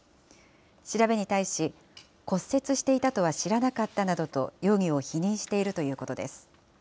調べに対し、骨折していたとは知らなかったなどと容疑を否認しているということです。